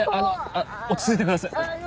あの落ち着いてください。